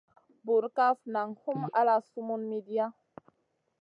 Burkaf nang hum ala sumun midia.